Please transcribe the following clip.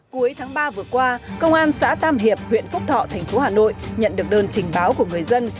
cuối tháng ba vừa qua công an xã tam hiệp huyện phúc thọ thành phố hà nội nhận được đơn trình báo của người dân